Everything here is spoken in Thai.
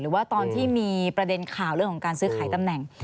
ว่าตอนที่มีประเด็นข่าวเรื่องของการซื้อขายตำแหน่ง